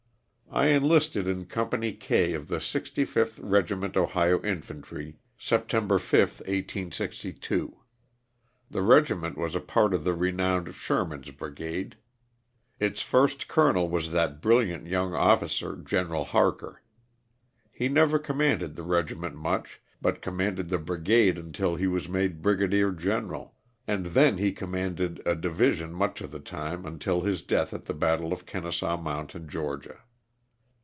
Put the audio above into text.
I enlisted in Com pany K of the 65th Regiment Ohio Infantry, Septem 5, 1862. The regiment was a part of the renowned Sherman's brigade. It's first colonel was that brilliant young officer. Gen. Harker. He never commanded the regiment much but commanded the brigade until he was made Brigadier General, and then he com manded a division much of the time until his death at the battle of Kenesaw Mountain, Ga.